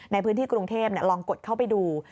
ในพื้นที่กรุงเทพลองกดเข้าไปดู